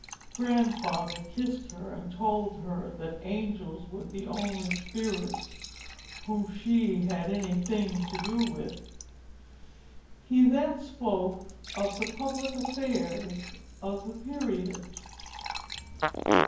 Grandfather kissed her, and told her that angels were the only spirits whom she had any thing to do with. He then spoke of the public affairs of the period.